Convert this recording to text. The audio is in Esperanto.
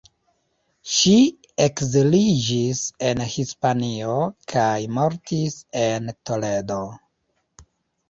Ŝi ekziliĝis en Hispanio kaj mortis en Toledo.